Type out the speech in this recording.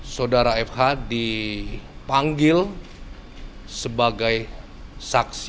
saudara fh dipanggil sebagai saksi